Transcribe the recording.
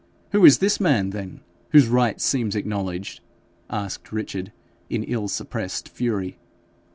'Who is this man, then, whose right seems acknowledged?' asked Richard, in ill suppressed fury.